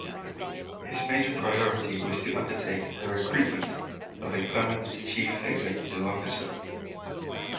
His major priority was to undertake the recruitment of a permanent chief executive officer.